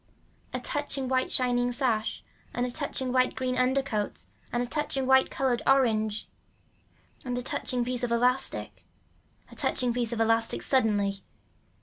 A touching white shining sash and a touching white green undercoat and a touching white colored orange and a touching piece of elastic. A touching piece of elastic suddenly.